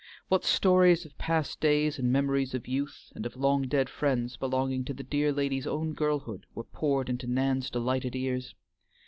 What stories of past days and memories of youth and of long dead friends belonging to the dear lady's own girlhood were poured into Nan's delighted ears!